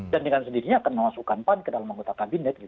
dan dengan sendirinya akan memasukkan pan ke dalam anggota kabinet